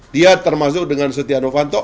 dia termasuk dengan setia novanto